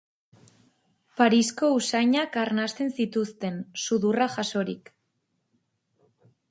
Parisko usainak arnasten zituzten, sudurra jasorik.